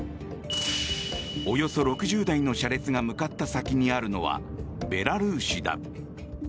およそ６０台の車列が向かった先にあるのはベラルーシだ。